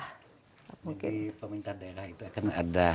jadi pemerintah daerah